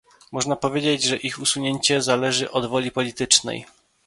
Można powiedzieć, że ich usunięcie zależy od woli politycznej